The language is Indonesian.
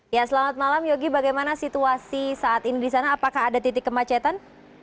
ya selamat malam yogi bagaimana situasi saat ini di sana apakah ada titik kemacetan